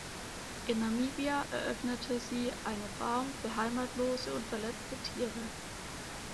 In Namibia eröffnete sie eine Farm für heimatlose und verletzte Tiere.